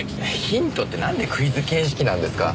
ヒントってなんでクイズ形式なんですか。